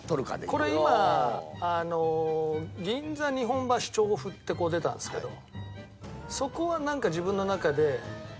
これ今銀座日本橋調布ってこう出たんですけどそこはなんか自分の中で。